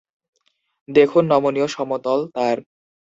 দেখুন নমনীয় সমতল তার।